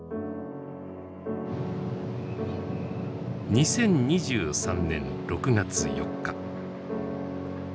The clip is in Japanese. ２０２３年６月４日。